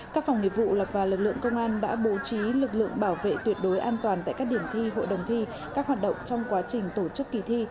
các phòng nghiệp vụ lập và lực lượng công an đã bố trí lực lượng bảo vệ tuyệt đối an toàn tại các điểm thi hội đồng thi các hoạt động trong quá trình tổ chức kỳ thi